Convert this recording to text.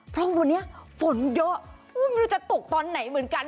เพราะวันนี้ฝนเยอะไม่รู้จะตกตอนไหนเหมือนกัน